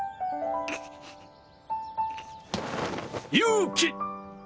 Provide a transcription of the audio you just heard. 勇気！